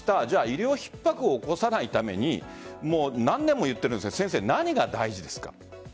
医療ひっ迫を起こさないために何年も言っているんですが何が大事ですか？